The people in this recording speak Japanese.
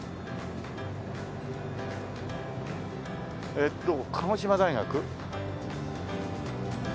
えっと鹿児島大学？